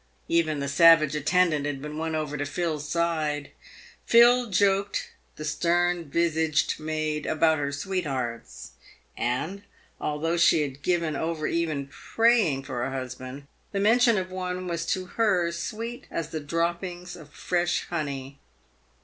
Even the savage attendant had been won over to Phil's side. Phil joked the stern visaged maid about her sweethearts, and, although she had given over even praying for a husband, the mention of one w r as to her sweet as the drop pings of fresh honey.